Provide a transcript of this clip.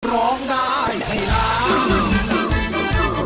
ร้องได้ให้ล้าน